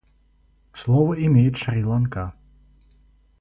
Слово имеет Шри-Ланка.